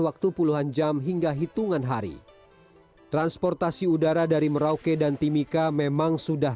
waktu puluhan jam hingga hitungan hari transportasi udara dari merauke dan timika memang sudah